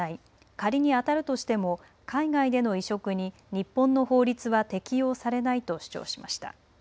仮にあたるとしても海外での移植に日本の法律は適用されないと主張しました。